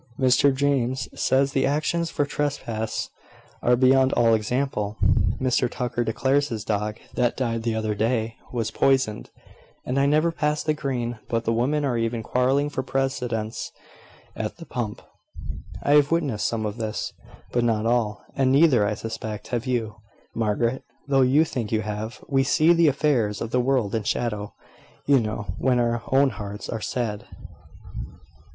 Mr James says the actions for trespass are beyond all example; Mr Tucker declares his dog, that died the other day, was poisoned; and I never pass the Green but the women are even quarrelling for precedence at the pump." "I have witnessed some of this, but not all: and neither, I suspect, have you, Margaret, though you think you have. We see the affairs of the world in shadow, you know, when our own hearts are sad."